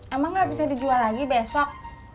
emang gak bisa dijual lagi besok